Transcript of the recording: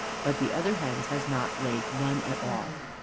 But the other hens has not laid none at all.